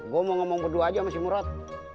gua mau ngomong berdua aja sama si murad